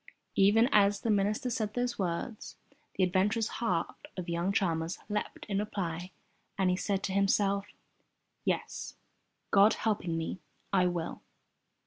Even as the minister said those words, the adventurous heart of young Chalmers leapt in reply as he said to himself, "Yes, God helping me, I will."